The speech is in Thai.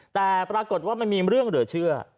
แต่ปรากฏว่ามันมีเรื่องเหลือเชื่อ